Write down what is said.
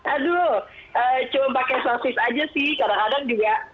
aduh cuma pakai sosis aja sih kadang kadang juga